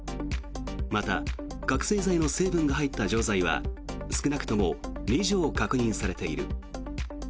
また覚醒剤の成分が入った錠剤は少なくとも２錠確認されている。